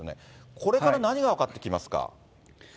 これから何が分かってきますか。